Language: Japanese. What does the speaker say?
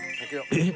えっ！？